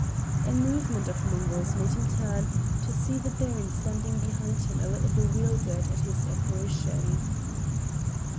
A movement of Mungo's made him turn to see the Baron standing behind him a little bewildered at this apparition.